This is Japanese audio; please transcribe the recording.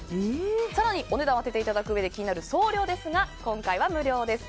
更に、お値段を当てていただくうえで気になる送料ですが今回は無料です。